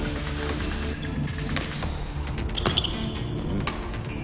うん。